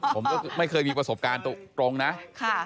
ผมก็ไม่เคยมีประสบการณ์ตรงนะ